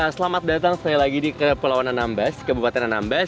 selamat datang kembali lagi di kepulauan anambas kabupaten anambas